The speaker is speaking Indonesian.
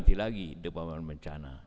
maka akan menjadi asuransi resiko bencana